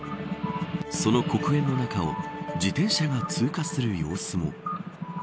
その黒煙の中を自転車が通過する様子も。